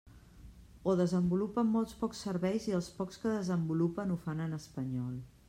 O desenvolupen molt pocs serveis i els pocs que desenvolupen ho fan en espanyol.